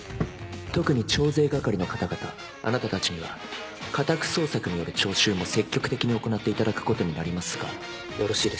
特に徴税係の方々あなたたちには家宅捜索による徴収も積極的に行っていただくことになりますがよろしいですね？